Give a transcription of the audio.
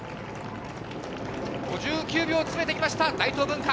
５９秒詰めてきました大東文化。